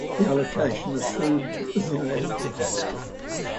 The allocation of food was inadequate.